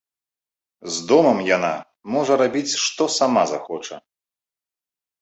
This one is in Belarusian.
З домам яна можа рабіць, што сама захоча.